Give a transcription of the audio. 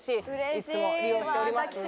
いつも利用しております。